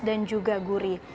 dan juga gurih